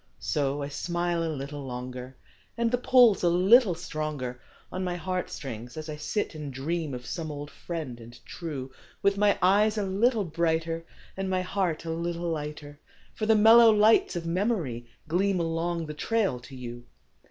S O I smile a little longer, And the pull's a little stronger On mg heart strings as I sit and ] dream of some old "friend and true °(Dith mg eges a little brighter And mg heart a little lighter, por the mellow lights OT memorij qleam Aloncj the trail to gou.